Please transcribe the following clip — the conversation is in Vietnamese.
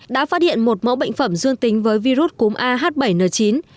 đã phát hiện một mẫu bệnh phẩm dương tính với virus cúm ah bảy n chín